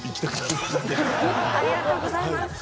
ありがとうございます。